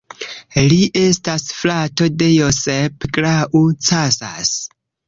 Li estas frato de Josep Grau Casas.